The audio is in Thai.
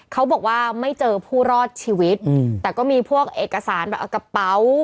เขาบอกว่าไม่เจอผู้รอดชีวิตอืมแต่ก็มีพวกเอกสารแบบเอากระเป๋า